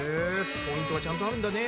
ポイントがちゃんとあるんだね。